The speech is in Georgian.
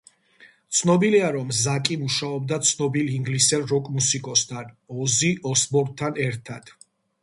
ცნობილია, რომ ზაკი მუშაობდა ცნობილ ინგლისელ როკ–მუსიკოსთან, ოზი ოსბორნთან ერთად.